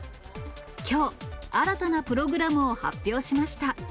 きょう、新たなプログラムを発表しました。